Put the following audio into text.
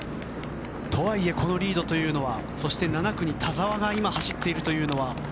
とはいえこのリードというのはそして７区に今田澤が走っているというのは。